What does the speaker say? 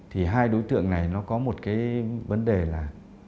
thì hai đối tượng này nó có một cái vấn đề là